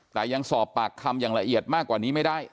แต่ยังสอบปากคำอย่างละเอียดมากกว่านี้ไม่ได้